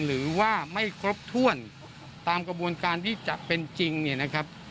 หรือว่าไม่ครบถ้วนตามกระบวนการที่จะเป็นจริงเนี่ยนะครับ